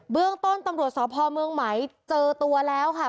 เรื่องต้นตำรวจสพเมืองไหมเจอตัวแล้วค่ะ